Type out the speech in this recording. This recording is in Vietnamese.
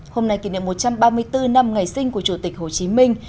hôm nay kỷ niệm một trăm ba mươi bốn năm ngày sinh của chủ tịch hồ chí minh